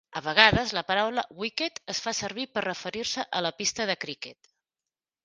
A vegades, la paraula "wicket" es va servir per referir-se a la pista de criquet.